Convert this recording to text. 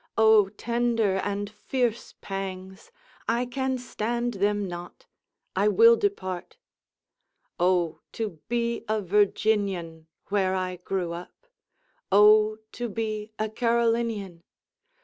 O tender and fierce pangs—I can stand them not—I will depart;O to be a Virginian, where I grew up! O to be a Carolinian!